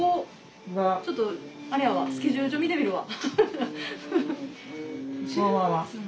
ちょっとあれやわスケジュール帳見てみるわ。